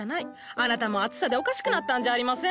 あなたも暑さでおかしくなったんじゃありません？